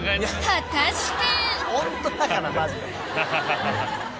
果たして？